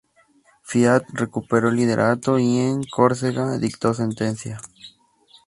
Fiat recuperó el liderato y en Córcega dictó sentencia.